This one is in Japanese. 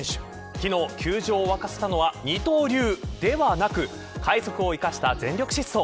昨日、球場を沸かせたのは二刀流ではなく快足を生かした全力疾走。